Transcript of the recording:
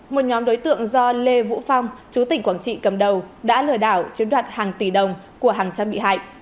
một nhóm đối tượng do lê vũ phong chú tỉnh quảng trị cầm đầu đã lừa đảo chiếm đoạt hàng tỷ đồng của hàng trăm bị hại